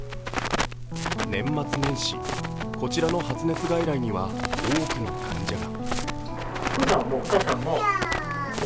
年末年始、こちらの発熱外来には多くの患者が。